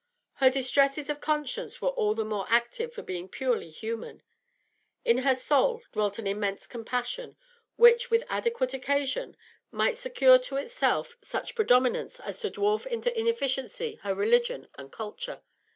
Her distresses of conscience were all the more active for being purely human; in her soul dwelt an immense compassion, which, with adequate occasion, might secure to itself such predominance as to dwarf into inefficiency her religion of culture.